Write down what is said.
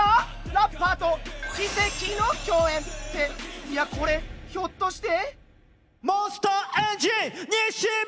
ラッパーと奇跡の共演！っていやこれひょっとして？